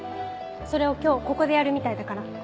それを今日ここでやるみたいだから。